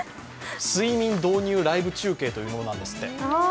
睡眠導入ライブ中継という名前なんですって。